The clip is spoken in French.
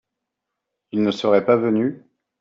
Ils ne seraient pas venus ?